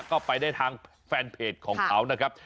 ก็ไปได้ทางแฟนเพจของเขานะครับ